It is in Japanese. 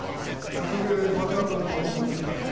早速鎌倉殿にご報告に行ってきます。